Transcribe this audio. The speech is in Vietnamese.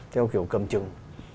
theo kiểu cầm chừng